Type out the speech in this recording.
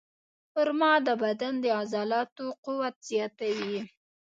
خرما د بدن د عضلاتو قوت زیاتوي.